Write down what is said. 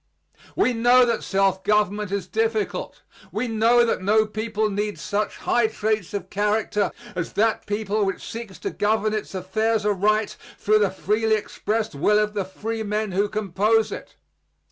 We know that self government is difficult. We know that no people needs such high traits of character as that people which seeks to govern its affairs aright through the freely expressed will of the free men who compose it.